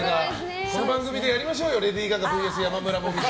この番組でやりましょうよレディー・ガガＶＳ山村紅葉。